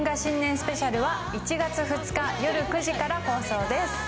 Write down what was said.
スペシャルは１月２日夜９時から放送です。